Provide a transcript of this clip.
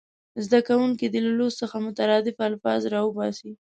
زده کوونکي دې له لوست څخه مترادف الفاظ راوباسي.